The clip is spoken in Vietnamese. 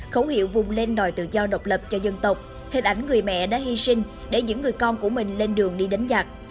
khẩu hiệu vùng lên đòi tự do độc lập cho dân tộc hình ảnh người mẹ đã hy sinh để những người con của mình lên đường đi đánh giặc